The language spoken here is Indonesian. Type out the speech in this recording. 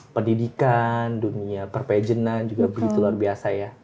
pendidikan dunia perpejenan juga begitu luar biasa ya